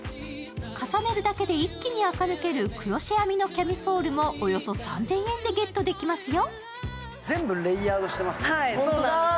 重ねるだけで一気に垢抜けるクロシェ編みのキャミソールもおよそ３０００円でゲットできますよ。